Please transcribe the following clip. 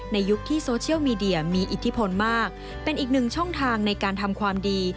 ยุคที่โซเชียลมีเดียมีอิทธิพลมากเป็นอีกหนึ่งช่องทางในการทำความดี